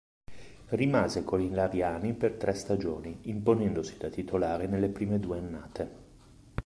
Rimase coi lariani per tre stagioni, imponendosi da titolare nelle prime due annate.